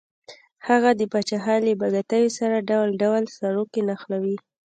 هغه د پاچاهۍ له بګتیو سره ډول ډول سروکي نښلوي.